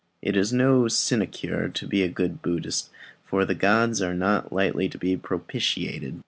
It is no sinecure to be a good Buddhist, for the gods are not lightly to be propitiated.